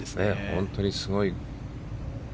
本当にすごい。